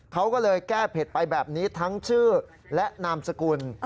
เขาก็เลยแก้เผ็ดไปแบบนี้ทั้งชื่อและนามสกุล